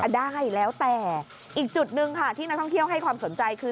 ได้แล้วแต่อีกจุดหนึ่งค่ะที่นักท่องเที่ยวให้ความสนใจคือ